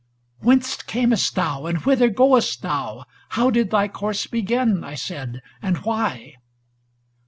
* Whence camest thou ? and whither goest thou? How did thy course begin ?' I said, * and why?